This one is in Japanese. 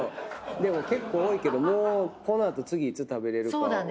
でも結構多いけどもうこの後次いつ食べれるか分からない。